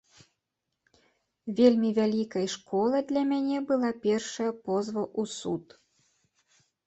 Вельмі вялікай школай для мяне была першая позва ў суд.